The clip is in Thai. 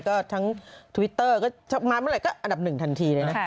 ก็ทั้งทวิตเตอร์ก็มาเมื่อไหร่ก็อันดับหนึ่งทันทีเลยนะ